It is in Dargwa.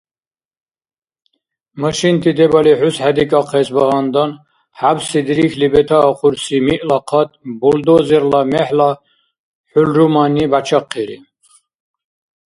Машинти дебали хӀусхӀедикӀахъес багьандан, хӀябцси дирихьли бетаахъурси миъла къат булдозерла мегьла хӀулрумани бячахъири.